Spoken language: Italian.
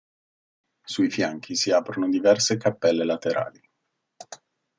Sui fianchi si aprono diverse cappelle laterali.